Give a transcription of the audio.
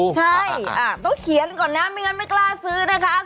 ใช่ต้องเขียนก่อนนะไม่งั้นไม่กล้าซื้อนะคะ